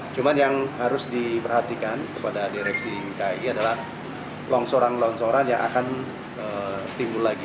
cuma yang harus diperhatikan kepada direksi ki adalah longsoran longsoran yang akan timbul lagi